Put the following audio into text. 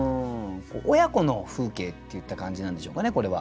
親子の風景っていった感じなんでしょうかねこれは。